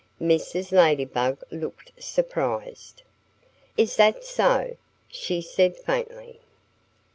Mrs. Ladybug looked surprised. "Is that so?" she said faintly.